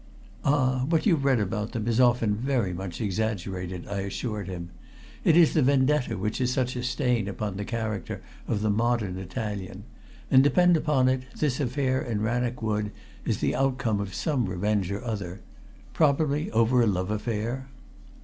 "Ah! what you read about them is often very much exaggerated," I assured him. "It is the vendetta which is such a stain upon the character of the modern Italian; and depend upon it this affair in Rannoch Wood is the outcome of some revenge or other probably over a love affair."